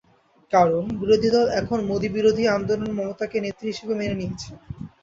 কারণ, বিরোধী দল এখন মোদিবিরোধী আন্দোলনে মমতাকে নেত্রী হিসেবে মেনে নিয়েছেন।